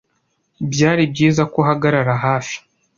Byari byiza ko uhagarara hafi.